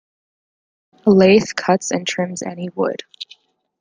A lathe cuts and trims any wood.